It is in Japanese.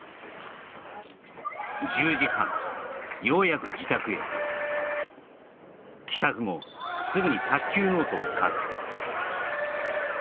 ようやく自宅へ帰宅後すぐに卓球ノートを書く